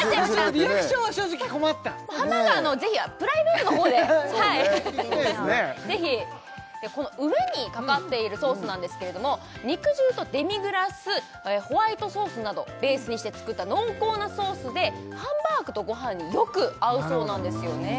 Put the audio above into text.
リアクションは正直困ったハンバーガーはぜひプライベートの方でぜひこの上にかかっているソースなんですけれども肉汁とデミグラスホワイトソースなどベースにして作った濃厚なソースでハンバーグとご飯によく合うそうなんですよね